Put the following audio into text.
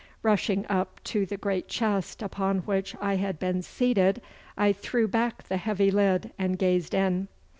Rushing up to the great chest upon which I had been seated, I threw back the heavy lid and gazed in.